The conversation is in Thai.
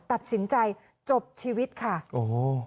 ตัดสินใจจบชีวิตค่ะโอ้โห